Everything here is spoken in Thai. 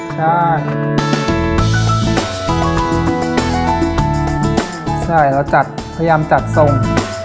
ใช่เราจัดพยายามจัดทรง